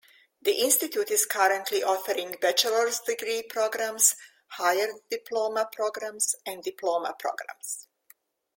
The institute is currently offering bachelor's degree programmes, higher diploma programmes and diploma programmes.